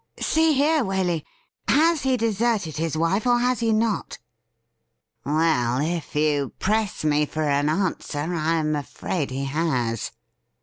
' See here, Waley. Has he deserted his wife, or has he not ?' Well, if you press me for an answer, I am afraid he has.'